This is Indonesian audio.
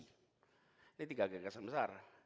ini tiga gagasan besar